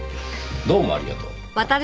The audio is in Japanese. どうもありがとう。